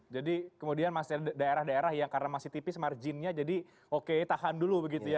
jadi kemudian masalah daerah daerah yang karena masih tipis marginnya jadi oke tahan dulu begitu ya